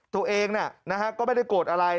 ตัวเองก็ไม่ได้โกรธอะไร